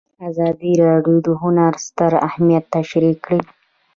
ازادي راډیو د هنر ستر اهميت تشریح کړی.